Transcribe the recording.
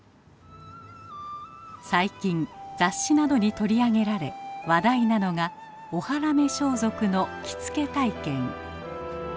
最近雑誌などに取り上げられ話題なのが「大原女装束」の着付け体験。